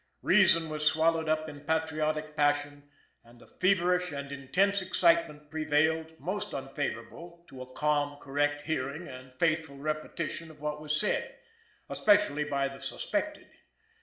Reason was swallowed up in patriotic passion, and a feverish and intense excitement prevailed most unfavorable to a calm, correct hearing and faithful repetition of what was said, especially by the suspected.